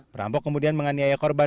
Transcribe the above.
perampok kemudian menganiaya korban